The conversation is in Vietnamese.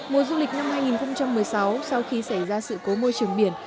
mùa du lịch năm hai nghìn một mươi sáu sau khi xảy ra sự cố môi trường biển